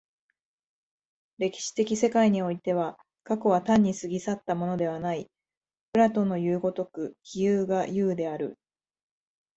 歴史的世界においては、過去は単に過ぎ去ったものではない、プラトンのいう如く非有が有である。